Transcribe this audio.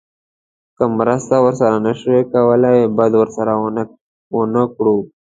که مرسته ورسره نه شو کولی بد ورسره ونه کړو.